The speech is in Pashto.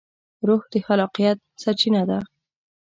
روح د خلاقیت سرچینه ده.